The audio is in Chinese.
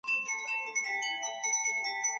马亮的儿子